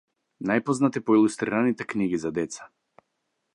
Најпознат е по илустрираните книги за деца.